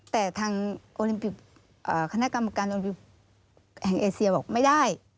แต่ทางขณะกรรมกราชอินโอลิมปิบแห่งเอเชียบอกไม่ได้